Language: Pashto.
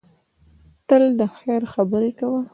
تل د خیر خبرې کوه.